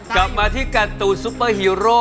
กลับมาที่การ์ตูนซุปเปอร์ฮีโร่